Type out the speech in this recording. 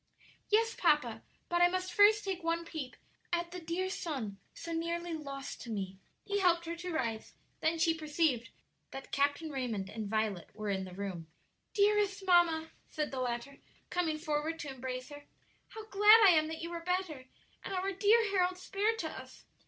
"Yes, papa; but I must first take one peep at the dear son so nearly lost to me." He helped her to rise; then she perceived that Captain Raymond and Violet were in the room. "Dearest mamma," said the latter, coming forward to embrace her, "how glad I am that you are better, and our dear Harold spared to us!"